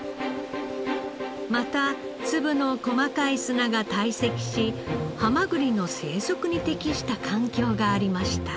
また粒の細かい砂が堆積しハマグリの生息に適した環境がありました。